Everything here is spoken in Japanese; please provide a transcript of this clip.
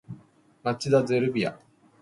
町田ゼルビア